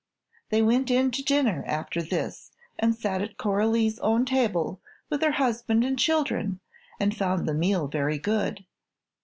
They went in to dinner, after this, and sat at Coralie's own table, with her husband and children, and found the meal very good.